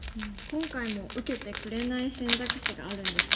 今回も受けてくれない選択肢があるんですね。